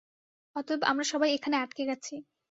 অতএব, আমরা সবাই এখানে আটকে গেছি।